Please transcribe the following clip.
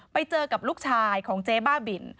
ไปเจอกับลูกชายของเจ๊บ้าบิน